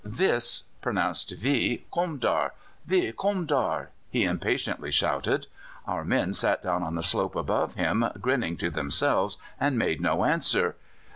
"Wis (pronounced ve) kom dar? Wis kom dar?" he impatiently shouted. Our men sat down on the slope above him, grinning to themselves, and made no answer.